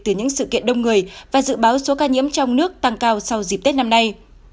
từ những sự kiện đông người và dự báo số ca nhiễm trong nước tăng cao sau dịp tết năm nay